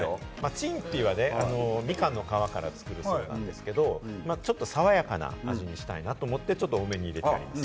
陳皮はね、みかんの皮から作るそうなんですけれども、ちょっと爽やかな味にしたいなと思って、ちょっと多めに入れています。